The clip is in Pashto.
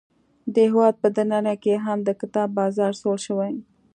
د هیواد په دننه کې هم د کتاب بازار سوړ شوی.